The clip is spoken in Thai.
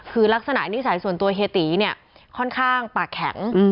คือลักษณะนิสัยส่วนตัวเฮียตีเนี่ยค่อนข้างปากแข็ง